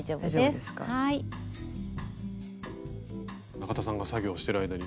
中田さんが作業してる間に。